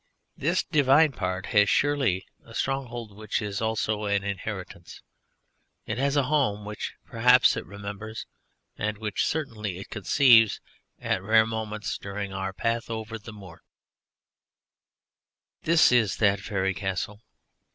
This diviner part has surely a stronghold which is also an inheritance. It has a home which perhaps it remembers and which certainly it conceives at rare moments during our path over the moor. This is that Faëry Castle.